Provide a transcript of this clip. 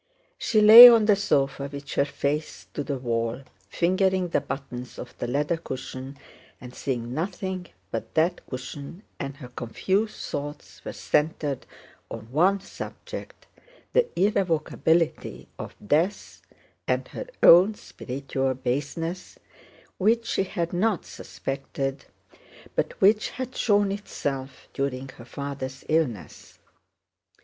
She lay on the sofa with her face to the wall, fingering the buttons of the leather cushion and seeing nothing but that cushion, and her confused thoughts were centered on one subject—the irrevocability of death and her own spiritual baseness, which she had not suspected, but which had shown itself during her father's illness.